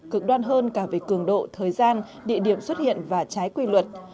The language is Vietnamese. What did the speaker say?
cực đoan hơn cả về cường độ thời gian địa điểm xuất hiện và trái quy luật